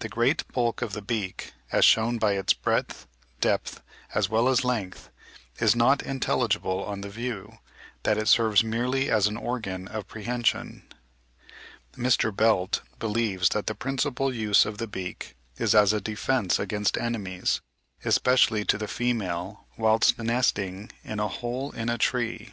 The great bulk of the beak, as shewn by its breadth, depth, as well as length, is not intelligible on the view, that it serves merely as an organ of prehension. Mr. Belt believes ('The Naturalist in Nicaragua,' p. 197) that the principal use of the beak is as a defence against enemies, especially to the female whilst nesting in a hole in a tree.)